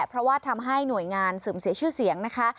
เพราะว่าทำให้หน่วยงานเสื่อมเสียชื่อเสียงนะคะ